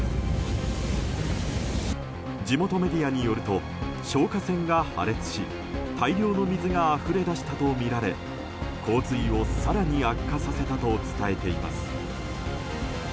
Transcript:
地元メディアによると消火栓が破裂し大量の水があふれ出したとみられ洪水を更に悪化させたと伝えています。